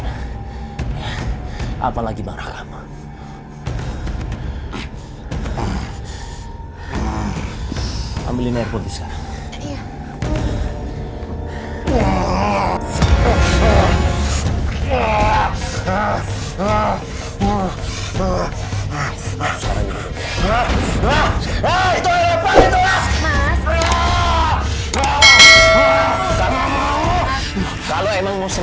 terima kasih telah penonton